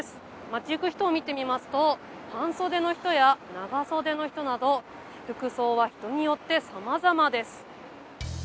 町行く人を見てみますと、半袖の人や、長袖の人など服装は人によってさまざまです。